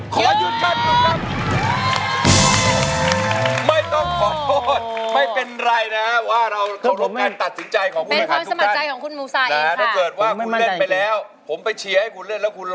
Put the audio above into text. ขอหยุดก่อนคุณครับ